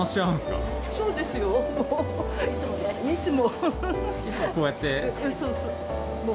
そうそう。